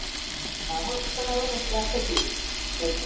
مامور پوښتنه وکړه چې دا څه دي؟